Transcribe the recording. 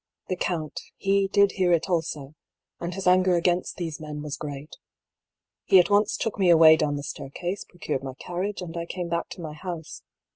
The count, he did hear it also, and his anger against these men was great. He at once took me away down the staircase, procured my carriage, and I came back to my house.